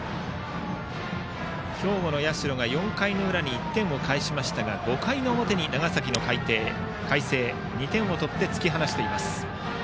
兵庫の社が４回の裏に１点を返しましたが５回の表に長崎・海星が２点を取って突き放しています。